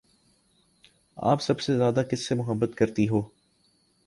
آپ سب سے زیادہ کس سے محبت کرتی ہو؟